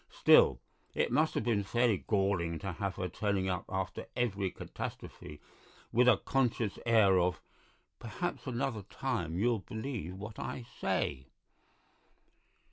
Still, it must have been fairly galling to have her turning up after every catastrophe with a conscious air of 'perhaps another time you'll believe what I say.'"